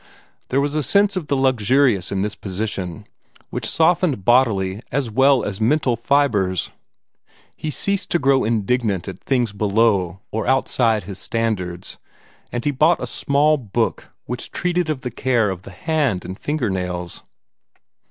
There was a sense of the luxurious in this position which softened bodily as well as mental fibres. He ceased to grow indignant at things below or outside his standards, and he bought a small book which treated of the care of the hand and finger nails.